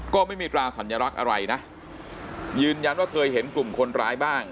ก็ไม่มีตราสัญลักษณ์อะไรนะยืนยันว่าเคยเห็นกลุ่มคนร้ายบ้าง